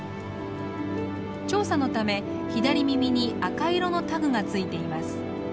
調査のため左耳に赤色のタグが付いています。